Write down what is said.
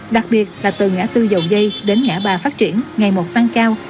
đặc biệt là từ ngã tư dầu dây đến ngã ba phát triển ngày một tăng cao